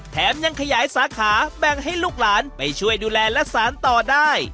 แถมยังขยายสาขาแบ่งให้ลูกหลานไปช่วยดูแลและสารต่อได้